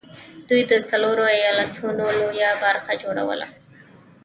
دوی د څلورو ايالتونو لويه برخه جوړوله